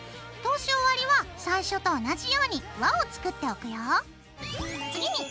通し終わりは最初と同じように輪を作っておくよ。